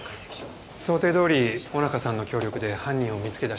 想定どおり尾中さんの協力で犯人を見つけ出しました。